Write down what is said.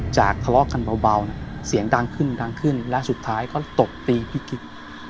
ทะเลาะกันเบาเสียงดังขึ้นดังขึ้นและสุดท้ายก็ตบตีพี่กิ๊ก